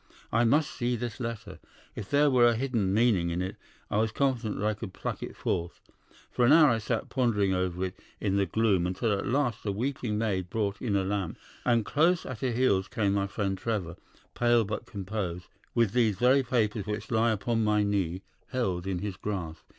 I must see this letter. If there were a hidden meaning in it, I was confident that I could pluck it forth. For an hour I sat pondering over it in the gloom, until at last a weeping maid brought in a lamp, and close at her heels came my friend Trevor, pale but composed, with these very papers which lie upon my knee held in his grasp.